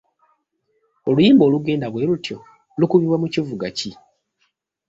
Oluyimba olugenda bwe lutyo lukubibwa mu kivuga ki?